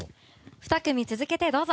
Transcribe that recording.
２組続けて、どうぞ。